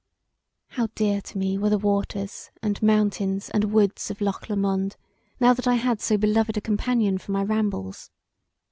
How dear to me were the waters, and mountains, and woods of Loch Lomond now that I had so beloved a companion for my rambles.